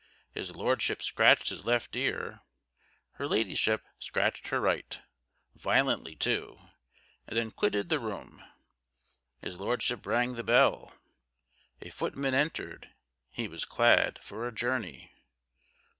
His Lordship scratched his left ear; her Ladyship scratched her right violently too and then quitted the room. His Lordship rang the bell. A footman entered. He was clad for a journey.